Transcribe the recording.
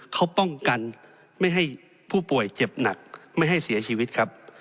เขาป้องกันไม่ให้ผู้ป่วยเจ็บหนักไม่ให้เสียชีวิตครับ